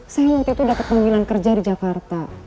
saya waktu itu dapet panggilan kerja di jakarta